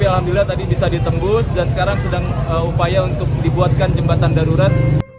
alhamdulillah tadi bisa ditembus dan sekarang sedang upaya untuk dibuatkan jembatan darurat